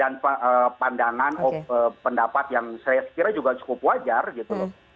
mungkin ada perbedaan pandangan pendapat yang saya pikirnya juga cukup wajar gitu